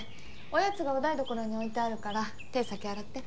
おやつがお台所に置いてあるから手ぇ先洗って。